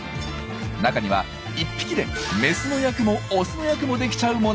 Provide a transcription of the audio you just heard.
中には１匹でメスの役もオスの役もできちゃうものまで。